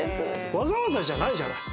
わざわざじゃないじゃない。